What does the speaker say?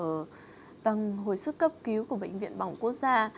ở tầng hồi sức cấp cứu của bệnh viện bỏng quốc gia